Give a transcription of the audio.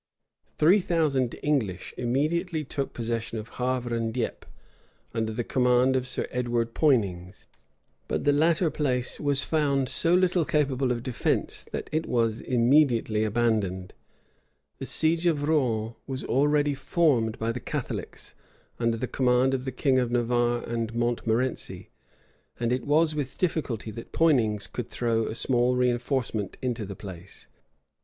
Three thousand English immediately took possession of Havre and Dieppe, under the command of Sir Edward Poinings; but the latter place was found so little capable of defence, that it was immediately abandoned.[] The siege of Rouen was already formed by the Catholics, under the command of the king of Navarre and Montmorency; and it was with difficulty that Poinings could throw a small reënforcement into the place.